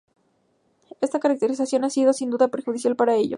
Esta caracterización ha sido sin duda perjudicial para ellos.